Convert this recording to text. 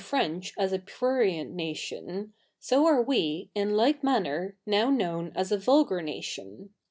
'ench as a prurie7it /laiion, so are we, in like 77ianner, 7io7v know7i as a vulgar 7iatio7i.